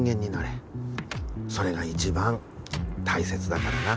それが一番大切だからな。